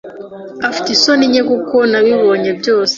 Afite isoni nke kuko nabibonye byose.